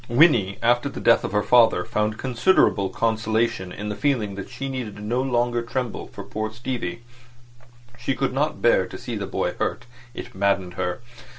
Winnie after the death of her father found considerable consolation in the feeling that she need no longer tremble for poor Stevie. She could not bear to see the boy hurt. It maddened her.